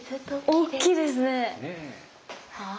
大きいですね。